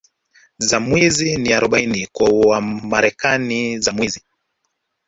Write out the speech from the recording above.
za Mwizi ni Arobaini kwa Wamarekani za mwizi